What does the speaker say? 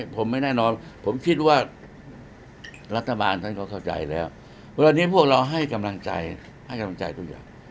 ผมไม่แน่นอนผมคิดว่ารัฐบาลท่านก็เข้าใจแล้ววันนี้พวกเราให้กำลังใจให้กำลังใจทุกอย่าง